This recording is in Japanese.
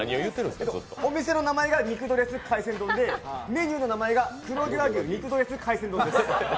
お店の名前が肉ドレス海鮮丼でメニューの名前が黒毛和牛肉ドレス海鮮丼です。